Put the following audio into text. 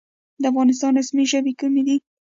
د افغانستان رسمي ژبې کومې دي؟